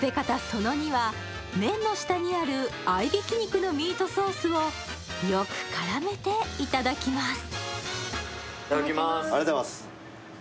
その２は、麺の下にある合いびき肉のミートソースをよく絡めていただきます。